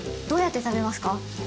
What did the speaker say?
どうやって食べますか？